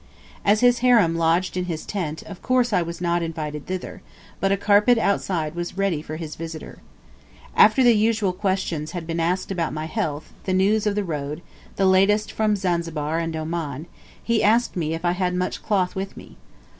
As his harem lodged in his tent, of course I was not invited thither; but a carpet outside was ready for his visitor. After the usual questions had been asked about my health, the news of the road, the latest from Zanzibar and Oman, he asked me if I had much cloth with me.